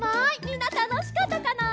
みんなたのしかったかな？